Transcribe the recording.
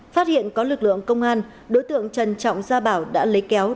phát hiện có lực lượng công an đối tượng trần trọng gia bảo đã lấy kéo